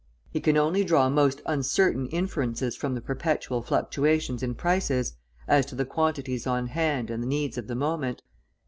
He can only draw most uncertain inferences from the perpetual fluctuations in prices, as to the quantities on hand and the needs of the moment.